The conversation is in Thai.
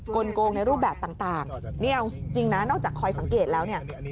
ลงในรูปแบบต่างนี่เอาจริงนะนอกจากคอยสังเกตแล้วเนี่ย